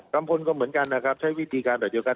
กัมพลก็เหมือนกันนะครับใช้วิธีความจัดเชือการ